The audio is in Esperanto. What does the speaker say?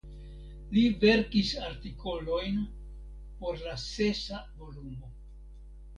Li verkis artikolojn por la sesa volumo.